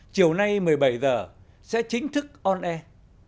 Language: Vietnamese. chiều nay một mươi bảy h sẽ chính thức on air